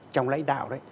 trong lãnh đạo